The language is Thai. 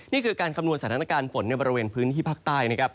นี่คือการคำนวณสถานการณ์ฝนในบริเวณพื้นที่ภาคใต้นะครับ